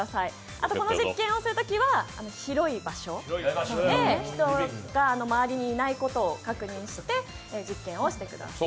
あと、この実験をするときは広い場所で、人が周りにいないことを確認して実験をしてください。